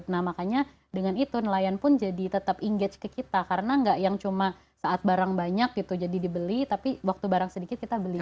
nah makanya dengan itu nelayan pun jadi tetap engage ke kita karena nggak yang cuma saat barang banyak gitu jadi dibeli tapi waktu barang sedikit kita beli